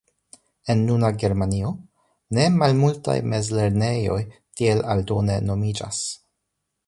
En nuna Germanio ne malmultaj mezlernejoj tiel aldone nomiĝas.